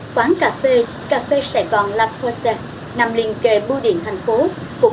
quán cà phê cà phê sài gòn la corte nằm liên kề bưu điện tp hcm